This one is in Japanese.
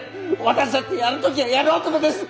私だってやる時はやる男です！